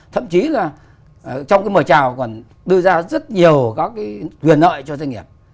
thậm chí là trong mời trào còn đưa ra rất nhiều quyền nợ cho doanh nghiệp